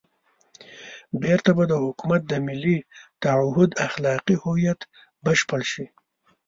بېرته به د حکومت د ملي تعهُد اخلاقي هویت بشپړ شي.